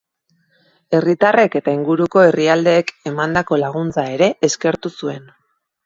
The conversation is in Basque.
Herritarrek eta inguruko herrialdeek emandako laguntza ere eskertu zuen.